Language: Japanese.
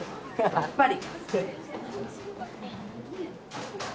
やっぱり。